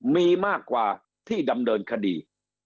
มีมากกว่าที่ดำเนินคดี